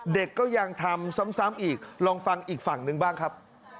เด็กก็ยังทำซ้ำอีกลองฟังอีกฝั่งหนึ่งบ้างครับ